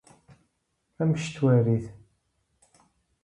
Zie jij het gebeuren?